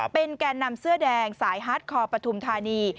เป็นแก่นำเสื้อแดงสายฮาร์ดคอร์ปฐุมธานี